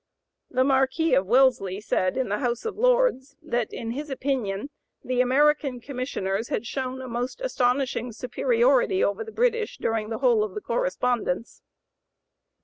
The Marquis of Wellesley said, in the House of Lords, that "in his opinion the American Commissioners had shown a most astonishing superiority over the British during the whole of the correspondence."